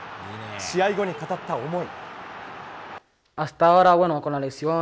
試合後に語った思い。